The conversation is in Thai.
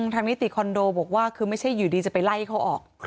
นิติคอนโดบอกว่าคือไม่ใช่อยู่ดีจะไปไล่เขาออก